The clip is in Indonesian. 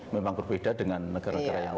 memang berbeda dengan negara negara yang